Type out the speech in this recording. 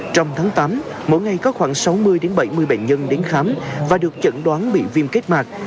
trong tháng tám mỗi ngày có khoảng sáu mươi bảy mươi bệnh nhân đến khám và được chẩn đoán bị viêm kết mạc